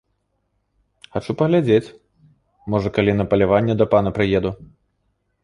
Хачу паглядзець, можа, калі на паляванне да пана прыеду.